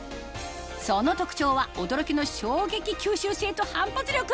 その特長は驚きの衝撃吸収性と反発力